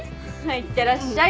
いってらっしゃい。